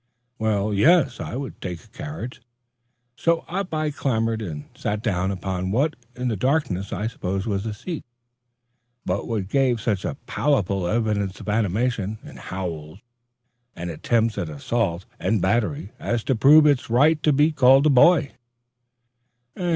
Well, yes, I would take a carriage; so up I clambered and sat down upon what in the darkness I supposed was a seat, but what gave such palpable evidences of animation in howls and attempts at assault and battery, as to prove its right to be called a boy.